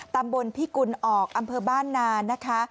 ตำบลพิกุลออกอำเภอบ้านนานนะคะ